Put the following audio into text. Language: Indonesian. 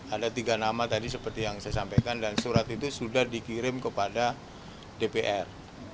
ada tiga nama tadi seperti yang saya sampaikan dan surat itu sudah dikirim kepada dpr